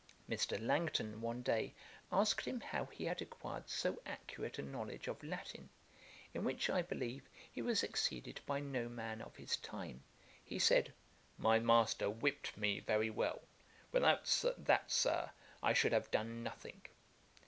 Mr. Langton one day asked him how he had acquired so accurate a knowledge of Latin, in which, I believe, he was exceeded by no man of his time; he said, 'My master whipt me very well. Without that, Sir, I should have done nothing.'